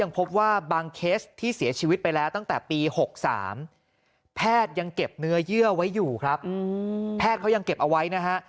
แพทยังเก็บเนื้อเยื่อไว้อยู่ครับแพทยังเก็บเอาไว้นะฮะ